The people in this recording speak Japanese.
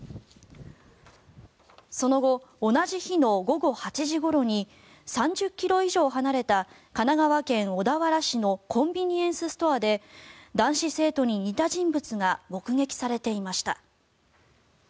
その後、同じ日の午後８時ごろに３０ｋｍ以上離れた神奈川県小田原市のコンビニエンスストアで男子生徒に似た人物が目撃されていました。